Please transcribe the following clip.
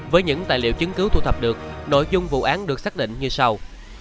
với những tài liệu chứng cứ thu thập được nội dung vụ án được xác định như sau